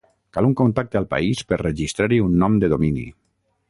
Cal un contacte al país per registrar-hi un nom de domini.